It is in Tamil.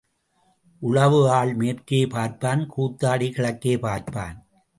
உழவு ஆள் மேற்கே பார்ப்பான் கூத்தாடி கிழக்கே பார்ப்பான்.